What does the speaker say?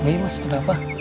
iya mas tidak apa